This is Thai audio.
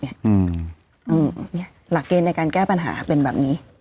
อืมอืมเนี้ยหลักเกณฑ์ในการแก้ปัญหาเป็นแบบนี้